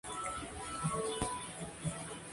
Presidente Perón.